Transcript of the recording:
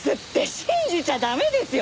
信じちゃ駄目ですよ！